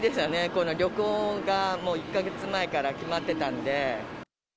この旅行が、もう１か月前から決まってたんで。